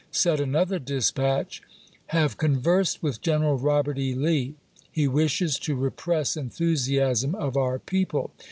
Said an other dispatch: Have conversed with General Robert E. Lee. He wishes to repress enthusiasm of our people.